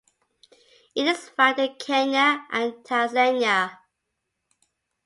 It is found in Kenya and Tanzania.